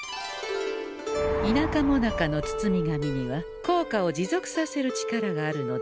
田舎もなかの包み紙には効果を持続させる力があるのでござんす。